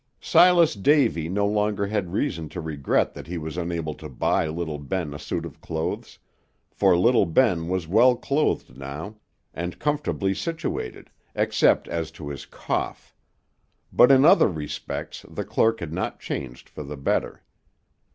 Silas Davy no longer had reason to regret that he was unable to buy little Ben a suit of clothes, for little Ben was well clothed now, and comfortably situated, except as to his cough; but in other respects the clerk had not changed for the better.